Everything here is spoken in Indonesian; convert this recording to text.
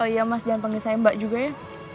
oh iya mas jangan panggil saya mbak juga ya